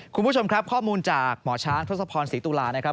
คุณผู้ชมครับข้อมูลจากหมอช้างทศพรศรีตุลานะครับ